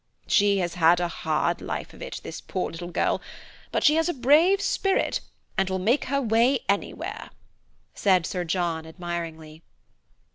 "She has had a hard life of it, this poor little girl, but she has a brave spirit, and will make her way anywhere," said Sir John admiringly.